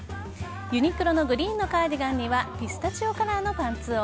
ユニクロのグリーンのカーディガンにはピスタチオカラーのパンツを。